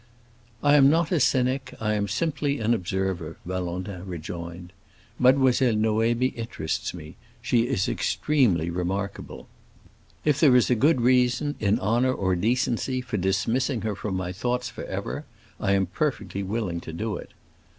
"I am not a cynic; I am simply an observer," Valentin rejoined. "Mademoiselle Noémie interests me; she is extremely remarkable. If there is a good reason, in honor or decency, for dismissing her from my thoughts forever, I am perfectly willing to do it.